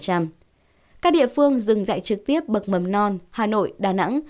các địa phương dừng dạy trực tiếp bậc mầm non hà nội đà nẵng